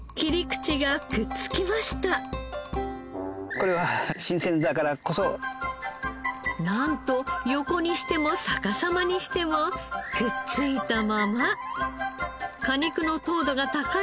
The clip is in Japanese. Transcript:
これはなんと横にしても逆さまにしてもくっついたまま！